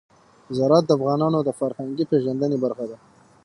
زراعت د افغانانو د فرهنګي پیژندنې برخه ده.